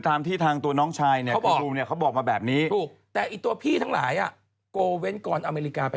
ด้วยที่เค้าว่าเรา